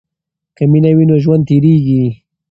که مینه وي نو ژوند تیریږي.